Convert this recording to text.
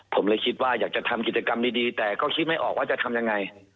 ผมเลยคิดว่าอยากจะทำกิจกรรมดีแต่ก็คิดไม่ออกว่าจะทำยังไง